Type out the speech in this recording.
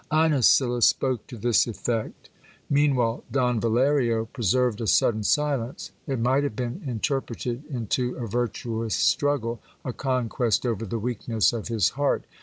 Inesilla spoke to this effect. Meanwhile Don Valerio preserved a sudden silence : it might have been interpreted into a virtuous struggle, a conquest over the weakness of his heart.